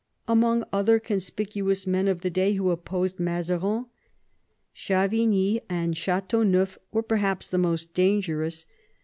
Among other conspicuous men of the day who opposed Mazarin, Chavigny and ChSteauneuf were perhaps the most dangerous.